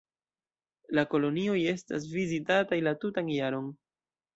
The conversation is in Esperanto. La kolonioj estas vizitataj la tutan jaron.